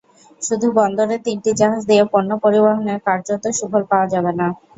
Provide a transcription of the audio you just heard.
শুধু বন্দরের তিনটি জাহাজ দিয়ে পণ্য পরিবহনে কার্যত সুফল পাওয়া যাবে না।